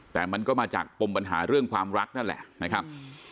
แต่มันก็มาจากปมปัญหาเรื่องความรักนั่นแหละนะครับ